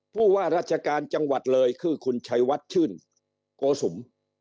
ผู้ว่าราชการจังหวัดเลยคือคุณชัยวัดชื่นโกสุม